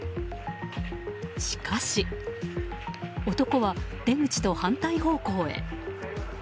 しかし、男は出口と反対方向へ。